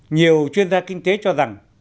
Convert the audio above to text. nhiều chuyên gia kinh tế cho rằng